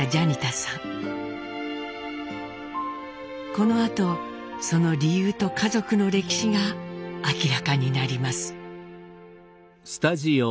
このあとその理由と家族の歴史が明らかになります。